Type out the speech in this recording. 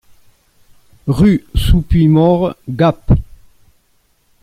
Rue sous Puymaure, Gap